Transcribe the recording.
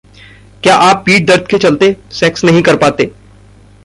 क्या आप पीठ दर्द के चलते सेक्स नहीं कर पाते?